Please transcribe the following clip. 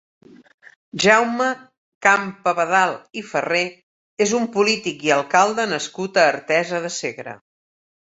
Jaume Campabadal i Farré és un polític i alcalde nascut a Artesa de Segre.